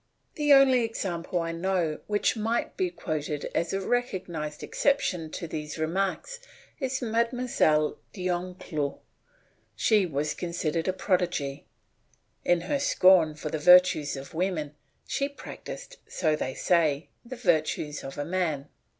The only example I know which might be quoted as a recognised exception to these remarks is Mlle. de L'Enclos; and she was considered a prodigy. In her scorn for the virtues of women, she practised, so they say, the virtues of a man.